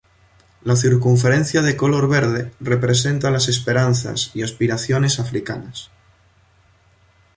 La circunferencia de color verde representa las esperanzas y aspiraciones africanas.